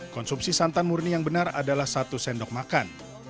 konsumsi santan murni yang benar adalah satu sendok makan